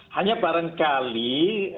hanya barangkali kalau kami b tiga